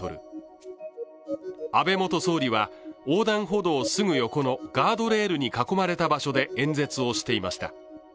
安倍元総理は横断歩道すぐ横のガードレールに囲まれた場所で演説をしていました。